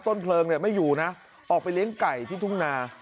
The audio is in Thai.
ต้นเพลิงไม่อยู่นะออกไปเลี้ยงไก่ที่ทุ่งนา